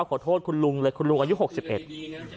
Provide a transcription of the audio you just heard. ขอโทษคุณลุงเลยหลุงกับอยู่ห่วงไม่ดูหนึ่ง